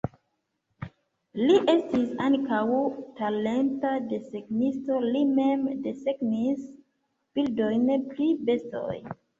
Li estis ankaŭ talenta desegnisto, li mem desegnis bildojn pri bestoj.